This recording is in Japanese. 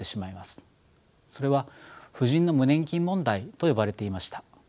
それは婦人の無年金問題と呼ばれていました。